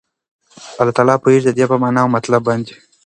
الله تعالی پوهيږي ددي په معنا او مطلب باندي